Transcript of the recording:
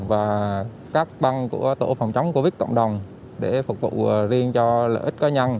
và các băng của tổ phòng chống covid cộng đồng để phục vụ riêng cho lợi ích cá nhân